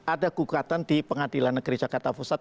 ada gugatan di pengadilan negeri jakarta pusat